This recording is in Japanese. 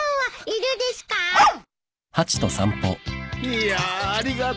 いやありがとう。